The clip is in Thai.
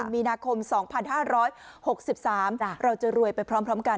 มีนาคม๒๕๖๓เราจะรวยไปพร้อมกัน